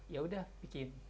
ya udah bikin